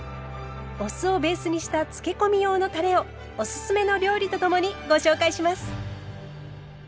お酢をベースにしたつけ込み用のたれをおすすめの料理とともにご紹介します。